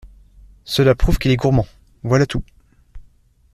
Cela prouve qu’il est gourmand, voilà tout…